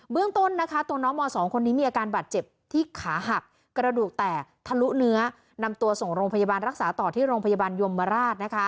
เรื่องต้นนะคะตัวน้องม๒คนนี้มีอาการบาดเจ็บที่ขาหักกระดูกแตกทะลุเนื้อนำตัวส่งโรงพยาบาลรักษาต่อที่โรงพยาบาลยมราช